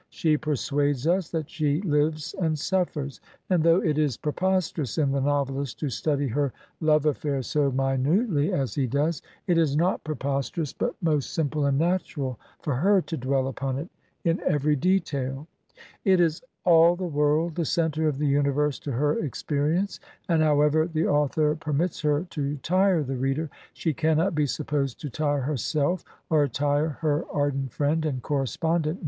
She persuades us that she lives and suffers ; and though it is preposterous in the novelist to study her love affair so minutely as he does, it is not preposterous but most simple and natural for her to dwell upon it in Digitized by VjOOQIC HEROINES OF FICTION every detail It is all the world, the centre of the uni verse to her experience, and however the author per mits her to tire the reader, she cannot be supposed to tire herself or tire her ardent friend and correspondent.